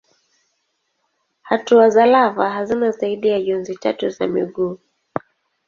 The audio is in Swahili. Hatua za lava hazina zaidi ya jozi tatu za miguu.